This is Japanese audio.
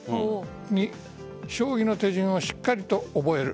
２、将棋の手順をしっかりと覚える。